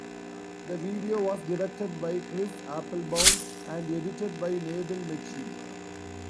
The video was directed by Chris Applebaum and edited by Nabil Mechi.